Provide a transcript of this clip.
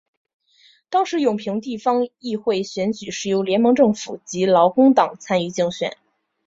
当时永平地方议会选举是由联盟政府及劳工党参与竞选。